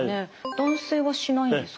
男性はしないんですか？